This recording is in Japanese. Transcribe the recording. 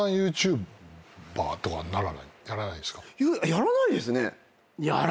やらないですね。